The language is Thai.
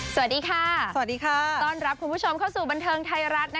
สวัสดีค่ะสวัสดีค่ะต้อนรับคุณผู้ชมเข้าสู่บันเทิงไทยรัฐ